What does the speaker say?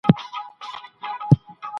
اعداد او بنسټیز نظریات د فلسفې بنسټونه جوړوي.